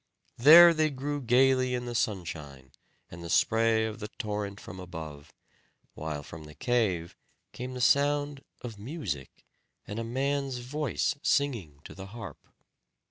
There they grew gayly in the sunshine, and the spray of the torrent from above; while from the cave came the sound of music, and a man's voice singing to the harp.